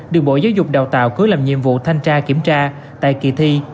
được bộ giáo dục đào tạo cứ làm nhiệm vụ thanh tra kiểm tra tại kỳ thi